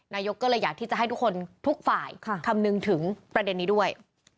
นายกก็เลยอยากที่จะให้ทุกคนทุกฝ่ายคำนึงถึงประเด็นนี้ด้วย